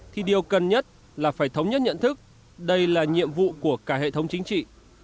thì điều cần nhất là phải thống nhất nhận thức đây là nhiệm vụ của cả hệ thống chính trị